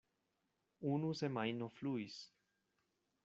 Unu semajno fluis.